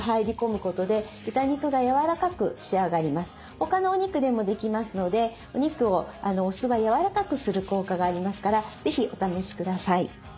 他のお肉でもできますのでお肉をお酢はやわらかくする効果がありますから是非お試しください。